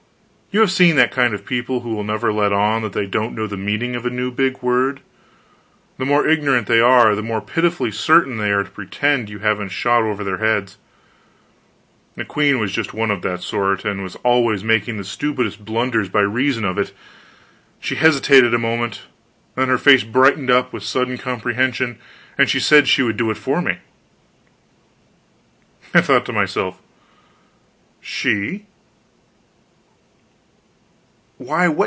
You have seen that kind of people who will never let on that they don't know the meaning of a new big word. The more ignorant they are, the more pitifully certain they are to pretend you haven't shot over their heads. The queen was just one of that sort, and was always making the stupidest blunders by reason of it. She hesitated a moment; then her face brightened up with sudden comprehension, and she said she would do it for me. I thought to myself: She?